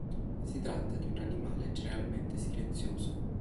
Si tratta di un animale generalmente silenzioso.